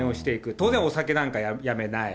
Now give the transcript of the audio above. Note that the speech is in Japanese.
当然、お酒なんかやめない。